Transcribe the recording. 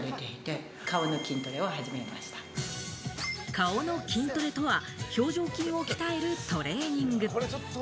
顔の筋トレとは表情筋を鍛えるトレーニング。